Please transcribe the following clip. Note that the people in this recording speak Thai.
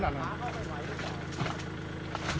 จนที